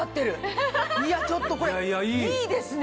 いやちょっとこれいいですね。